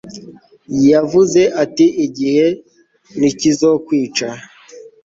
yavuze ati 'igihe ntikizokwica